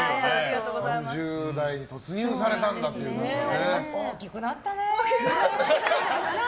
３０代に突入されたんだって感じでね。